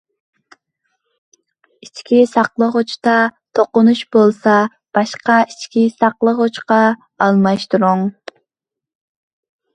ئىچكى ساقلىغۇچتا توقۇنۇش بولسا، باشقا ئىچكى ساقلىغۇچقا ئالماشتۇرۇڭ.